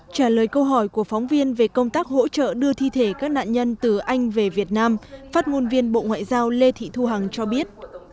trả lời câu hỏi của phóng viên về công tác hỗ trợ đưa thi thể các nạn nhân từ anh về việt nam phát ngôn viên bộ ngoại giao lê thị thu hằng cho biết